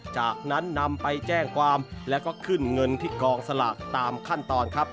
จากนั้นนำไปแจ้งความแล้วก็ขึ้นเงินที่กองสลากตามขั้นตอนครับ